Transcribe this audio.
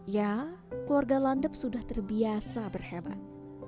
ya keluarga landep sudah terbiasa berhebat